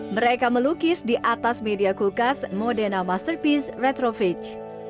mereka melukis di atas media kulkas modena masterpiece retrofitch